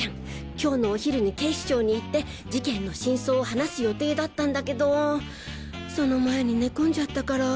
今日のお昼に警視庁に行って事件の真相を話す予定だったんだけどその前に寝込んじゃったから。